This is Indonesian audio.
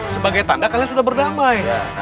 sebagai tanda kalian sudah berdamai